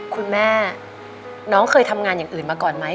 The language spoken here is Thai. คุณแม่น้องเคยทำงานอย่างอื่นมาก่อนไหม